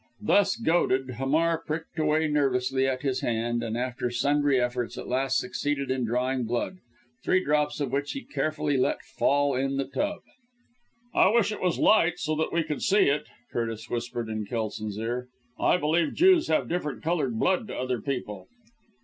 Thus goaded, Hamar pricked away nervously at his hand, and, after sundry efforts, at last succeeded in drawing blood; three drops of which he very carefully let fall in the tub. "I wish it was light so that we could see it," Curtis whispered in Kelson's ear. "I believe Jews have different coloured blood to other people."